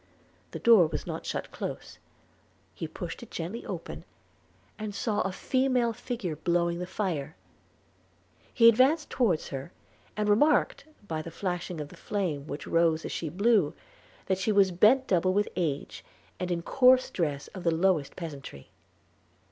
The door was not shut close; he pushed it gently open, and saw a female figure blowing the fire; he advanced towards her, and remarked, by the flashing of the flame which rose as she blew, that she was bent double with age, and in course dress of the lowest peasantry.